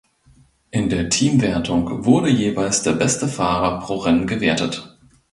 In der Teamwertung wurde jeweils der beste Fahrer pro Rennen gewertet.